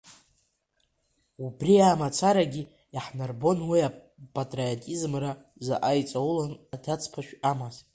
Абри амацарагьы иаҳнарбон уи ипатриотизмра заҟа иҵаулан адац-ԥашә амаз.